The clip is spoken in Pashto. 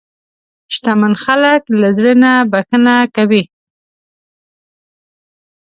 شتمن خلک له زړه نه بښنه کوي.